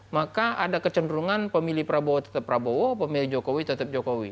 maka ada kecenderungan pemilih prabowo tetap prabowo pemilih jokowi tetap jokowi